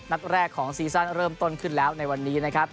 นัดแรกของซีซั่นเริ่มต้นขึ้นแล้วในวันนี้นะครับ